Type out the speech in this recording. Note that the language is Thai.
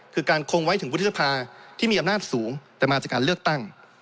คือการคงไว้ถึงวุฒิสภาที่มีอำนาจสูงแต่มาจากการเลือกตั้ง